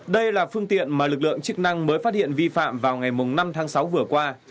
đây là phương tiện mà lực lượng chức năng mới phát hiện vi phạm vào ngày năm tháng sáu vừa qua